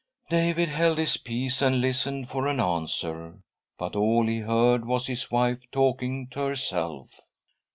David held his peace and listened for an answer, but all he heard was his wife talking to herself.